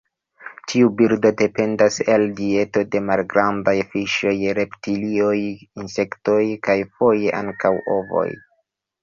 Tiu birdo dependas el dieto de malgrandaj fiŝoj, reptilioj, insektoj kaj foje ankaŭ ovoj.